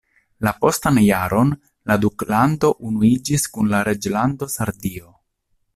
La postan jaron la duklando unuiĝis kun la reĝlando Sardio.